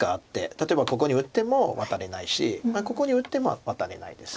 例えばここに打ってもワタれないしここに打ってもワタれないです。